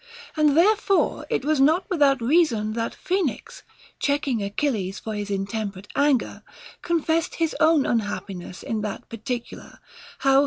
And therefore it was not without reason that Phoenix, checking Achilles for his intemperate anger, confessed his own unhappiness in that particular, how he * From Euripides, A/J.